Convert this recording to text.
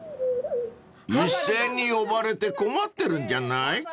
［一斉に呼ばれて困ってるんじゃない？］